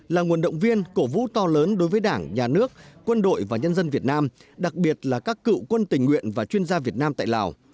là nguồn động viên cổ vũ to lớn đối với đảng nhà nước quân đội và nhân dân việt nam đặc biệt là các cựu quân tình nguyện và chuyên gia việt nam tại lào